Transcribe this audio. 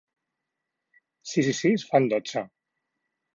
Sis i sis fan dotze.